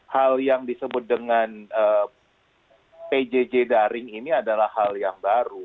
hal yang disebut dengan pjj daring ini adalah hal yang baru